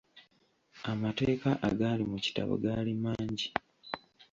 Amateeka agaali mu kitabo gaali mangi.